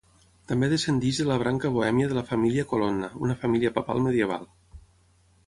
També descendeix de la branca bohèmia de la família Colonna, una família papal medieval.